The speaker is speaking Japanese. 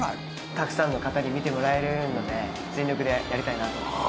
たくさんの方に見てもらえるので全力でやりたいなと思います